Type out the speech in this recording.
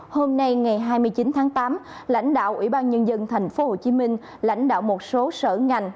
hôm nay ngày hai mươi chín tháng tám lãnh đạo ủy ban nhân dân tp hcm lãnh đạo một số sở ngành